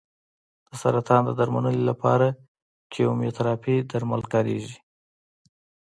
د سرطان د درملنې لپاره کیموتراپي درمل کارېږي.